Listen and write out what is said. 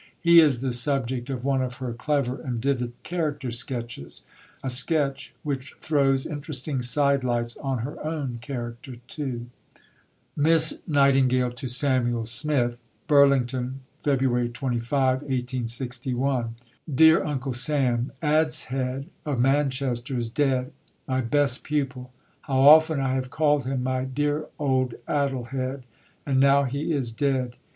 He is the subject of one of her clever and vivid character sketches a sketch which throws interesting side lights on her own character too: (Miss Nightingale to Samuel Smith.) BURLINGTON, Feb. 25, . DEAR UNCLE SAM Adshead of Manchester is dead my best pupil.... How often I have called him my "dear old Addle head," and now he is dead.